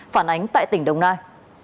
phản ánh tại tỉnh đồng nai